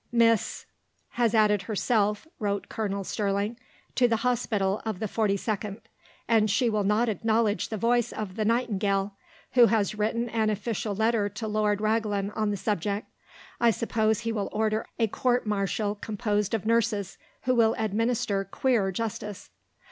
"Miss has added herself," wrote Colonel Sterling, "to the hospital of the 42nd; and will not acknowledge the voice of the Nightingale, who has written an official letter to Lord Raglan on the subject. I suppose he will order a court martial composed of nurses, who will administer queer justice."